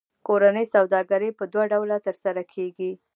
کورنۍ سوداګري په دوه ډوله ترسره کېږي